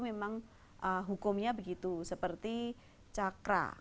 memang hukumnya begitu seperti cakra